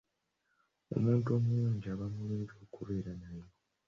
Omuntu omuyonjo aba mulungi okubeera naye.